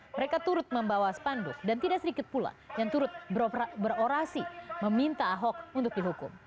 mereka turut membawa spanduk dan tidak sedikit pula yang turut berorasi meminta ahok untuk dihukum